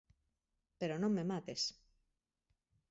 Pero non me mates.